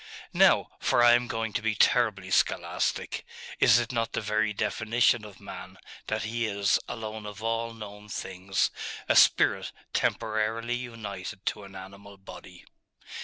'Now for I am going to be terribly scholastic is it not the very definition of man, that he is, alone of all known things, a spirit temporarily united to an animal body?